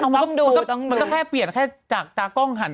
กล้องดูมันก็แค่เปลี่ยนแค่จากตากล้องหัน